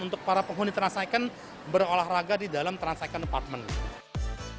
untuk para penghuni trans icon berolahraga di dalam trans icon department